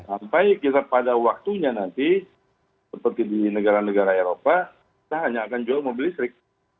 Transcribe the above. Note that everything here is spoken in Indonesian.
sampai kita pada waktunya nanti seperti di negara negara eropa kita hanya akan jual mobil listrik